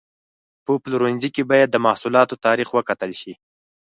په پلورنځي کې باید د محصولاتو تاریخ وکتل شي.